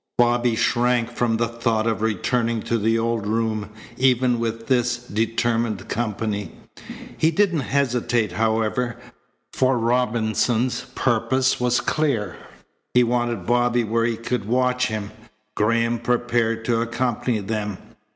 Bobby shrank from the thought of returning to the old room even with this determined company. He didn't hesitate, however, for Robinson's purpose was clear. He wanted Bobby where he could watch him. Graham prepared to accompany them.